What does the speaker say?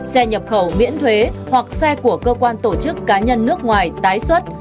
xe nhập khẩu miễn thuế hoặc xe của cơ quan tổ chức cá nhân nước ngoài tái xuất